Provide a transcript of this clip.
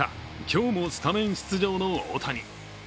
今日もスタメン出場の大谷。